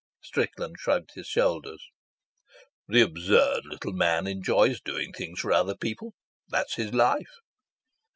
Strickland shrugged his shoulders. "The absurd little man enjoys doing things for other people. That's his life."